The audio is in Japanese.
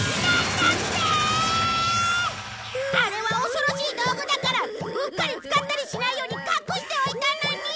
あれは恐ろしい道具だからうっかり使ったりしないように隠しておいたのに！